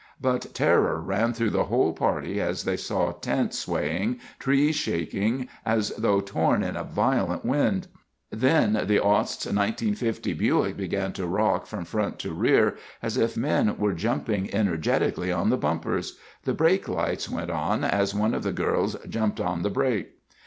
But terror ran through the whole party as they saw tents swaying, trees shaking as though torn in a violent wind. Then the Osts' 1950 Buick began to rock from front to rear as if men were jumping energetically on the bumpers. The brake lights went on as one of the gals jumped on the brake.